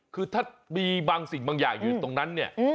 คือถ้ามีบางสิ่งบางอย่างอยู่ตรงนั้นเนี่ย